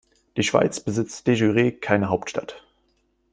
Die Schweiz besitzt de jure keine Hauptstadt.